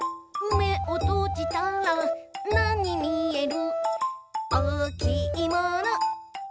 「めをとじたらなにみえる？」